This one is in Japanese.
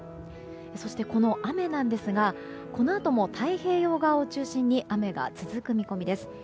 そしてこの雨なんですがこのあとも太平洋側を中心に雨が続く見込みです。